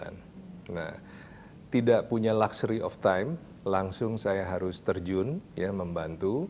nah tidak punya luxury of time langsung saya harus terjun ya membantu